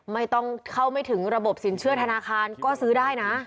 ไม่ต้องเข้าไม่ถึงระบบสินเชื่อธนาคารก็ซื้อได้นะ